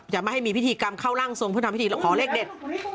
จะไม่ให้มีพิธีกรรมเข้าร่างทรงเพื่อทำพิธีขอเลขเด็ด